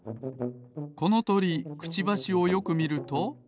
このとりクチバシをよくみると。